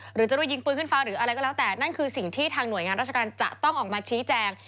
หรือจะด้วยยิงปืนขึ้นฟ้าหรืออะไรก็แล้วแต่นั่นคือสิ่งที่ทางหน่วยงานราชการจะต้องออกมาชี้แจง